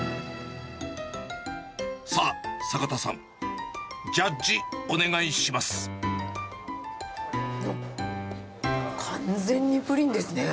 さあ、坂田さん、ジャッジ、完全にプリンですね。